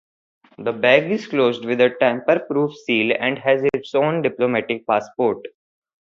The bag is closed with a tamper-proof seal and has its own diplomatic passport.